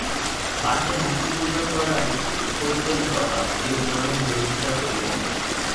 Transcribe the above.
বাহিরে মূর্তিপূজা করাই পৌত্তলিকতা, এরূপ ধর্মের বিরোধিতা করিব।